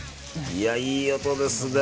いや、いい音ですね。